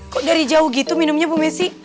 kok dari jauh gitu minumnya bu messi